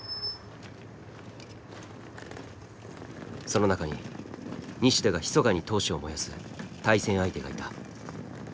その中に西田がひそかに闘志を燃やす対戦相手がいた。